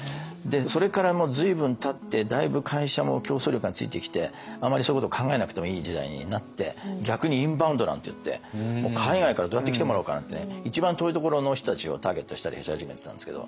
それからもう随分たってだいぶ会社も競争力がついてきてあまりそういうことを考えなくてもいい時代になって逆にインバウンドなんていって海外からどうやって来てもらおうかなんてね。一番遠いところの人たちをターゲットにしたりし始めてたんですけど。